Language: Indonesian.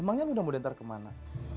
emangnya luna mau ntar kemana